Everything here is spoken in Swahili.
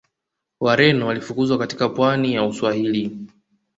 Wareno walifukuzwa katika pwani za Uswahilini